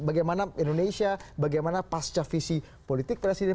bagaimana indonesia bagaimana pasca visi politik presiden